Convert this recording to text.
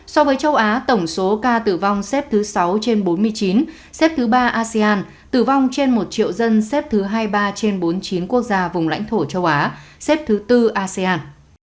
so với châu á tổng số ca tử vong xếp thứ sáu trên bốn mươi chín xếp thứ ba asean tử vong trên một triệu dân xếp thứ hai mươi ba trên bốn mươi chín quốc gia vùng lãnh thổ châu á xếp thứ tư asean